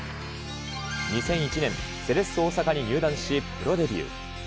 ２００１年、セレッソ大阪に入団し、プロデビュー。